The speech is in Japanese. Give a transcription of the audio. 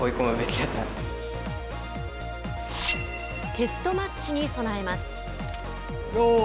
テストマッチに備えます。